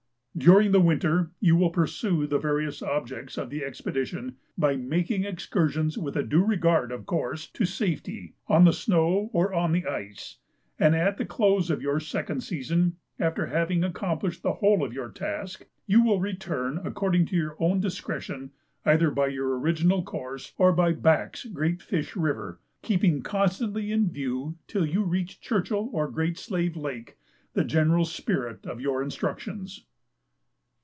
During the winter you will pursue the various objects of the expedition by making excursions with a due regard, of course, to safety, on the snow or on the ice; and at the close of your second season, after having accomplished the whole of your task, you will return according to your own discretion, either by your original course or by Back's Great Fish River, keeping constantly in view, till you reach Churchill or Great Slave Lake, the general spirit of these your instructions.